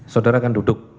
saudara kan duduk